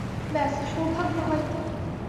ব্যস সৌভাগ্য হয়তো।